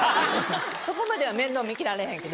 そこまでは面倒を見きられへんけど。